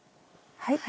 はい。